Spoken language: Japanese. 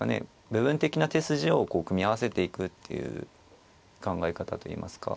部分的な手筋を組み合わせていくっていう考え方といいますか。